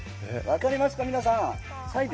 分かりますか、皆さん。